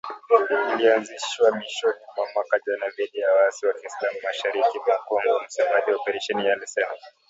iliyoanzishwa mwishoni mwa mwaka jana dhidi ya waasi wa kiislam mashariki mwa Kongo msemaji wa operesheni hiyo alisema